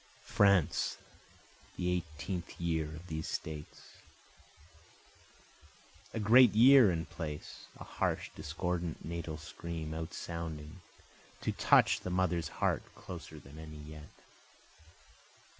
France [the 18th Year of these States A great year and place A harsh discordant natal scream out sounding, to touch the mother's heart closer than any yet.